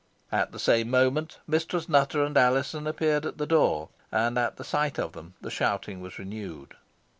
At the same moment Mistress Nutter and Alizon appeared at the door, and at the sight of them the shouting was renewed.